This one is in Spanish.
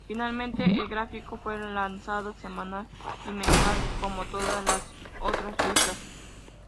Finalmente, el gráfico fue lanzado semanal y mensual como todas las otras listas.